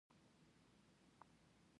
افغانستان کې د جواهرات د پرمختګ هڅې روانې دي.